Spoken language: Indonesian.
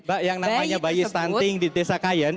mbak yang namanya bayi stunting di desa kayen